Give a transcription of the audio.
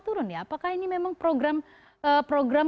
turun ya apakah ini memang program